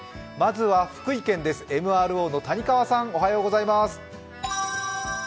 まずは福井県です、ＭＲＯの谷川さん、おはようございます。